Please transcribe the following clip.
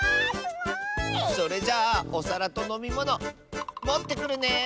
それじゃあおさらとのみものもってくるね！